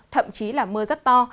thậm chí là mưa rất to